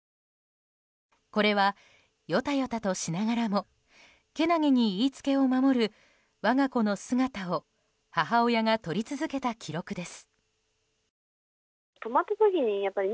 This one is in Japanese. これは、よたよたとしながらもけなげに言いつけを守る我が子の姿を母親が撮り続けた記録です。